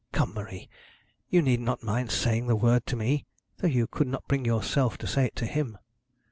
Come, Marie, you need not mind saying the word to me, though you could not bring yourself to say it to him.'